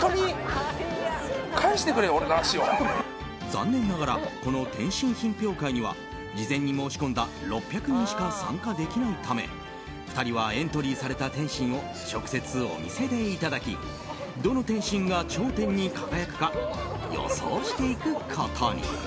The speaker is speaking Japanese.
残念ながらこの点心品評会には事前に申し込んだ６００人しか参加できないため２人はエントリーされた点心を直接お店でいただきどの点心が頂点に輝くか予想していくことに。